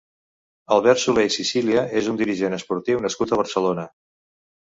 Albert Soler i Sicília és un dirigent esportiu nascut a Barcelona.